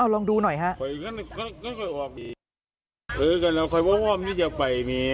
ลองดูหน่อยฮะ